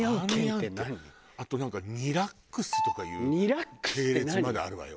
あとなんかニラックスとかいう系列まであるわよ。